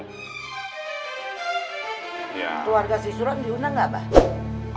keluarga si surot diundang gak abah